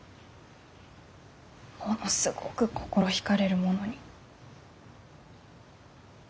ものすごぐ心引かれるものに。